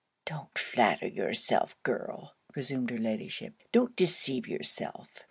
'Don't flatter yourself, girl,' resumed her Ladyship, 'don't deceive yourself.